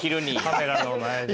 カメラの前で。